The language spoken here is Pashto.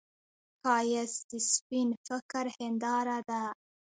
ښایست د سپين فکر هنداره ده